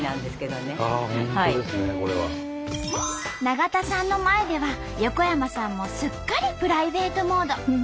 永田さんの前では横山さんもすっかりプライベートモード。